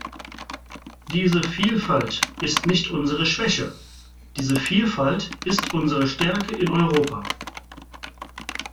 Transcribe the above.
Diese Vielfalt ist nicht unsere Schwäche, diese Vielfalt ist unsere Stärke in Europa!